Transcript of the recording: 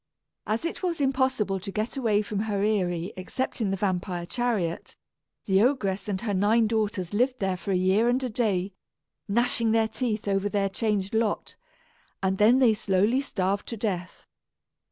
As it was impossible to get away from her eyrie except in the vampire chariot, the ogress and her nine daughters lived there for a year and a day, gnashing their teeth over their changed lot; and then they slowly starved to death.